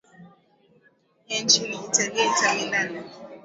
ya nchini italia inter millan